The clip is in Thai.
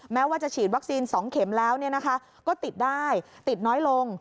แม้ว่าจะฉีดวัคซีนสองเข็มแล้วเนี่ยนะคะก็ติดได้ติดน้อยลง